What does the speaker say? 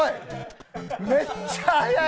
めっちゃ速い！